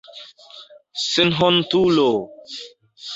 Senhontulo!